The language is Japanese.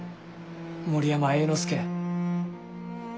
森山栄之助